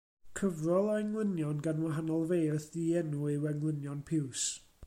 Cyfrol o englynion gan wahanol feirdd dienw yw Englynion Piws.